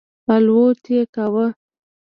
الوت یې کاوه.